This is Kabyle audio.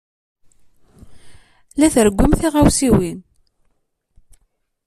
La trewwim tiɣawsiwin.